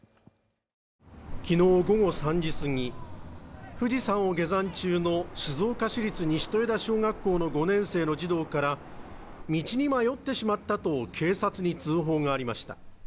昨日午後３時過ぎ富士山を下山中の静岡市立西豊田小学校の５年生の児童から道に迷ってしまったと警察に通報がありました。